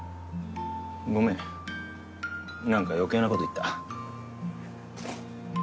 ごめんなんか余計な事言った。